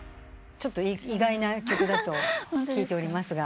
ちょっと意外な曲だと聞いておりますが。